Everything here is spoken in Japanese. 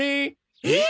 えっ？